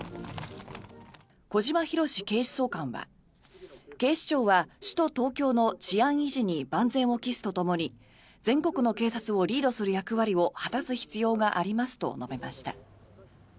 小島裕史警視総監は警視庁は首都・東京の治安維持に万全を期すとともに全国の警察をリードする役割を果たす必要がありますと述べました。